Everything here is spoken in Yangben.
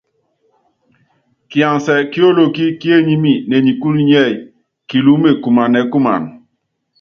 Kiansi ki olokí kíényími ne nikúlu nḭ́ɛ́yí, Kiluúme kumanɛɛ́ kuman.